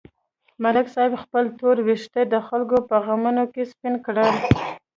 ملک صاحب خپل تور وېښته د خلکو په غمونو کې سپین کړل.